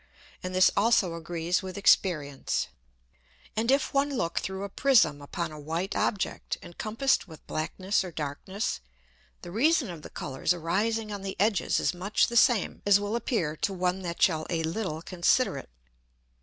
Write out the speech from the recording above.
And this also agrees with experience. And if one look through a Prism upon a white Object encompassed with blackness or darkness, the reason of the Colours arising on the edges is much the same, as will appear to one that shall a little consider it.